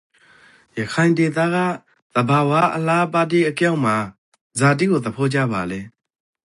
ရခိုင်ဒေသကသဘာဝအလှအပတိအကြောင်းမှာဇာတိကို သဘောကျပါလဲ?